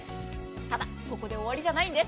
ただここで終わりじゃないんです。